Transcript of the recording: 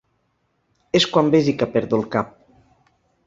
És quan besi que perdo el cap.